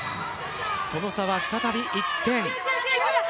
その差は再び１点。